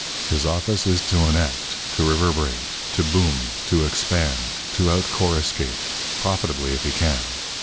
His office is to enact, to reverberate, to boom, to expand, to out coruscate profitably, if he can.